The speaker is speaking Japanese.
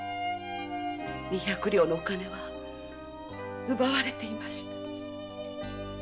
二百両のお金は奪われていました。